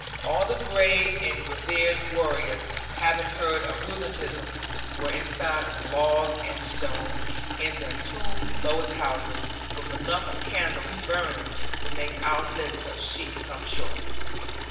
All the grave and reverend warriors having heard of rheumatism, were inside of log and stone, in the two lowest houses, with enough of candles burning to make our list of sheep come short.